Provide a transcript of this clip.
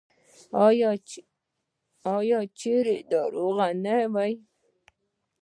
آیا چیرې چې ناروغي نه وي؟